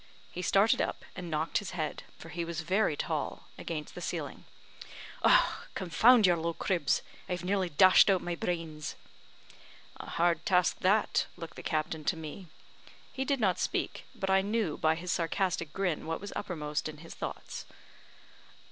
He started up, and knocked his head for he was very tall against the ceiling. "Confound your low cribs! I have nearly dashed out my brains." "A hard task, that," looked the captain to me. He did not speak, but I knew by his sarcastic grin what was uppermost in his thoughts.